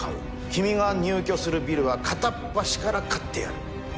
君が入居するビルは片っ端から買ってやる。